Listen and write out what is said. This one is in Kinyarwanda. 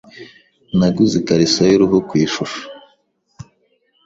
Naguze ikariso y'uruhu ku ishusho.